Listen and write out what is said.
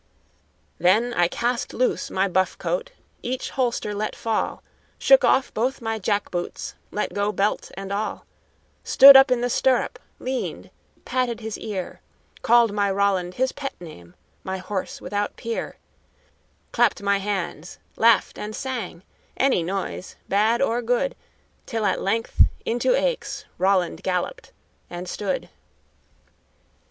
Then I cast loose my buff coat, each holster let fall, Shook off both my jack boots, let go belt and all, Stood up in the stirrup, leaned, patted his ear, Called my Roland his pet name, my horse without peer; Clapped my hands, laughed and sang, any noise, bad or good, Till at length into Aix Roland galloped and stood.